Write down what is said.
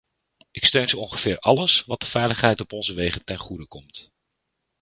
Ik steun zo ongeveer alles wat de veiligheid op onze wegen ten goede komt.